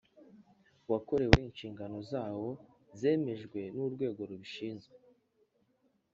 Wakorewe inshingano zawo zemejwe n’ urwego rubishinzwe